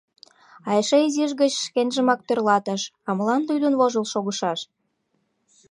А эше изиш гыч шкенжымак тӧрлатыш: «А молан лӱдын-вожыл шогышаш?